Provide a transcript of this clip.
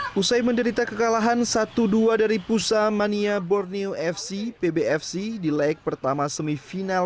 hai usai menderita kekalahan dua belas dari pusat mania borneo fc pbfc di leg pertama semifinal